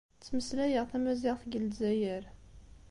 Ttmeslayeɣ tamaziɣt deg Lezzayer.